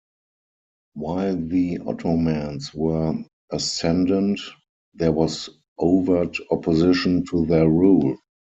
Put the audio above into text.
While the Ottomans were ascendant, there was overt opposition to their rule.